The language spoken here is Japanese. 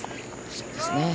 そうですね。